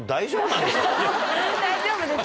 大丈夫です。